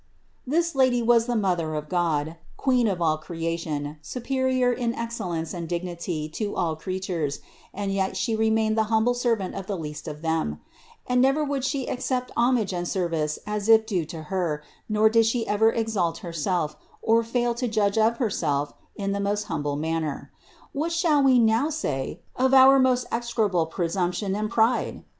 This Lady was the Mother of God, Queen of all creation, superior in ex cellence and dignity to all creatures, and yet She re mained the humble servant of the least of them; and never would She accept homage and service as if due to Her, nor did She ever exalt Herself, or fail to judge of Herself in the most humble manner. What shall we now say of our most execrable presumption and pride?